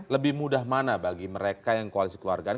lebih mudah mana bagi mereka yang koalisi keluargaan